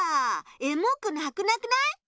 エモくなくなくない？